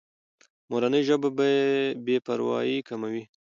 مورنۍ ژبه بې پروایي کموي.